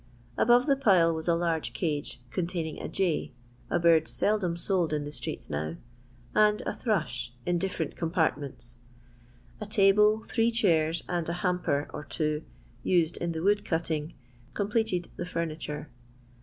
Above the pile was a iBLtge cage, containing a jay — a bird seldom sold in the streets now — and a thrush, in different compartments. A table, three chairs, and a ham per or two used in the wood cutting, completed the furniture.